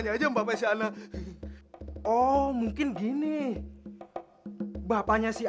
nah sementara yang dijodohin gak sih